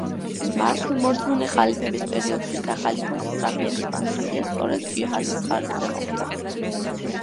მართლმორწმუნე ხალიფების პერიოდში სახალიფოს სწრაფი ექსპანსია სწორედ ჯიჰადის ხარჯზე მოხდა.